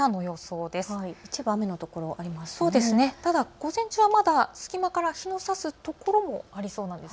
午前中はまだ隙間から日のさすところもありそうなんです。